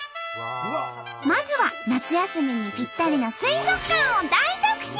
まずは夏休みにぴったりの水族館を大特集！